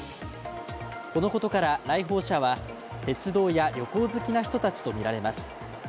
このことから来訪者は鉄道や旅行好きな人たちとみられます。